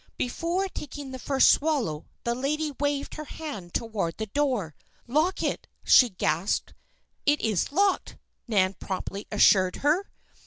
Before taking the first swallow the lady waved her hand toward the door. "Lock it!" she gasped. "It is locked," Nan promptly assured her.